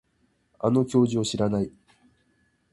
あの教授を知らない